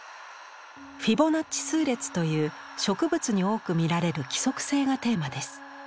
フィボナッチ数列という植物に多く見られる規則性がテーマです。